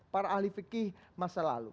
para ahli fikih masa lalu